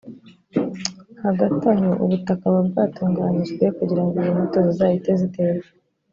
Hagati aho ubutaka buba bwatunganyijwe kugira ngo izo mbuto zizahite ziterwa